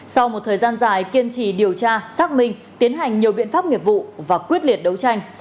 sau một thời gian dài kiên trì điều tra xác minh tiến hành nhiều biện pháp nghiệp vụ và quyết liệt đấu tranh